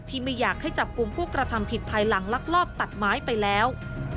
ไม่อยากให้จับกลุ่มผู้กระทำผิดภายหลังลักลอบตัดไม้ไปแล้ว